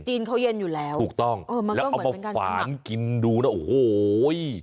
จีนเขาเย็นอยู่แล้วถูกต้องแล้วเอามาฝานกินดูนะโอ้โห